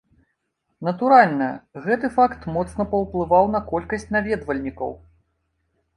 Натуральна, гэты факт моцна паўплываў на колькасць наведвальнікаў.